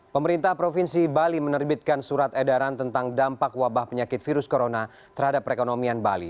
pemerintah provinsi bali menerbitkan surat edaran tentang dampak wabah penyakit virus corona terhadap perekonomian bali